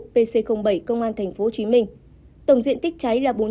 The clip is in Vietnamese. pc bảy công an tp hcm tổng diện tích cháy là bốn trăm bảy mươi m hai